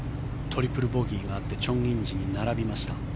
トリプルボギーがあってチョン・インジに並びました。